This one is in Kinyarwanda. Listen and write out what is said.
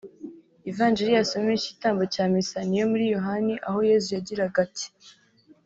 Ivanjiri yasomye muri iki gitambo cya misa ni iyo muri Yohani aho Yezu yagiraga ati